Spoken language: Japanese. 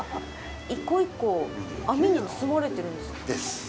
１個１個、網に包まれているんですか。